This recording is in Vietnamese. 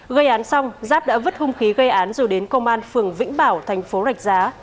gây án xong giáp đã vứt hung khí gây án rồi đến công an phường vĩnh bảo thành phố rạch giá để đầu thú